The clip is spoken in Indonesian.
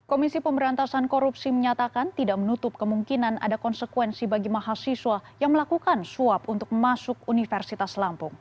komisi pemberantasan korupsi menyatakan tidak menutup kemungkinan ada konsekuensi bagi mahasiswa yang melakukan suap untuk masuk universitas lampung